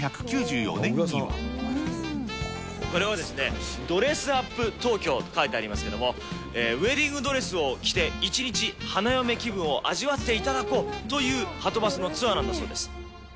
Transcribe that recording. これはですね、ドレスアップ東京と書いてありますけれども、ウエディングドレスを着て、一日花嫁気分を味わっていただこうというはとバスのツアーなんだそうです。